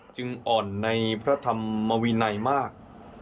อ่อนในพระธรรมวินัยมาก